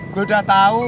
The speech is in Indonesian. gua udah tahu